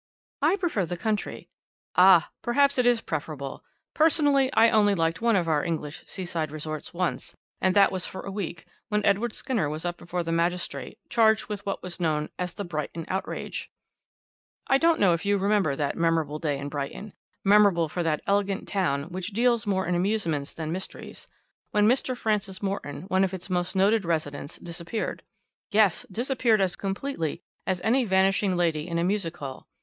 "I prefer the country." "Ah! perhaps it is preferable. Personally I only liked one of our English seaside resorts once, and that was for a week, when Edward Skinner was up before the magistrate, charged with what was known as the 'Brighton Outrage.' I don't know if you remember the memorable day in Brighton, memorable for that elegant town, which deals more in amusements than mysteries, when Mr. Francis Morton, one of its most noted residents, disappeared. Yes! disappeared as completely as any vanishing lady in a music hall.